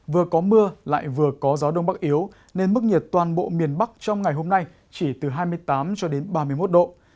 vừa có mưa lại vừa có gió đông bắc yếu nên mức nhiệt toàn bộ miền bắc trong ngày hôm nay chỉ từ hai mươi tám ba mươi một độ